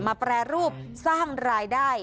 แปรรูปสร้างรายได้